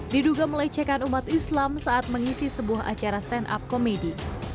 diduga melecehkan umat islam saat mengisi sebuah acara stand up komedi